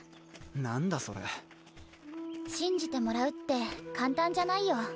何だそれ信じてもらうって簡単じゃないよ